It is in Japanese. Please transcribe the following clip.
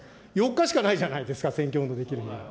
４日間しかないじゃないですか、選挙運動できるの。